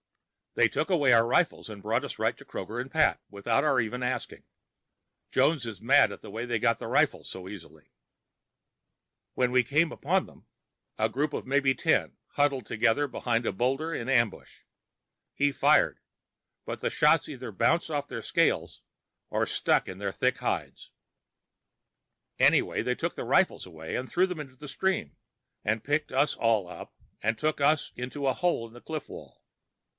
They took away our rifles and brought us right to Kroger and Pat, without our even asking. Jones is mad at the way they got the rifles so easily. When we came upon them (a group of maybe ten, huddling behind a boulder in ambush), he fired, but the shots either bounced off their scales or stuck in their thick hides. Anyway, they took the rifles away and threw them into the stream, and picked us all up and took us into a hole in the cliff wall.